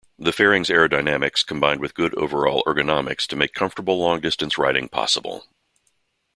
The fairing's aerodynamics combined with good overall ergonomics to make comfortable long-distance riding possible.